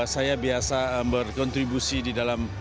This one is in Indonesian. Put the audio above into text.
saya biasa berkontribusi di dalam